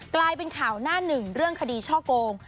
กลายเป็นข่าวหน้าหนึ่งเรื่องคดีช่อโกง